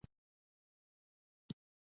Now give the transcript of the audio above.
آزاد تجارت مهم دی ځکه چې نوښت رامنځته کوي صنعتي.